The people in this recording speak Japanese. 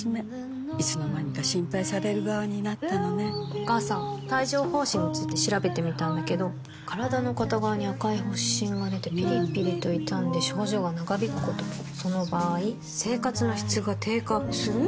お母さん帯状疱疹について調べてみたんだけど身体の片側に赤い発疹がでてピリピリと痛んで症状が長引くこともその場合生活の質が低下する？